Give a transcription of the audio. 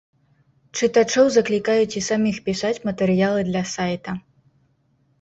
Чытачоў заклікаюць і саміх пісаць матэрыялы для сайта.